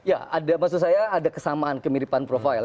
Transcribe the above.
ya ada maksud saya ada kesamaan kemiripan profil